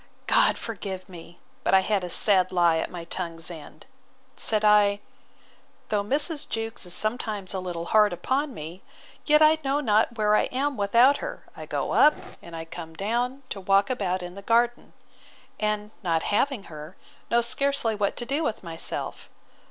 God forgive me, (but I had a sad lie at my tongue's end,) said I; Though Mrs. Jewkes is sometimes a little hard upon me, yet I know not where I am without her: I go up, and I come down to walk about in the garden; and, not having her, know scarcely what to do with myself.